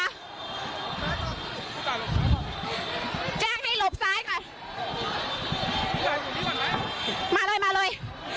จะหลบซ้ายก่อนแจ้งให้หลบซ้ายก่อนมาเลยมาเลย